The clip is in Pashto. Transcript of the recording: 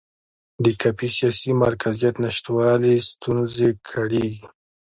د کافي سیاسي مرکزیت نشتوالي ستونزې کړېږي.